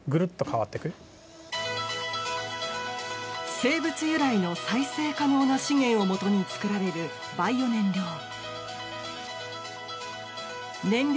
生物由来の再生可能な資源をもとに作られるバイオ燃料。